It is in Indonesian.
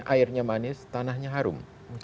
airnya manis tanahnya harum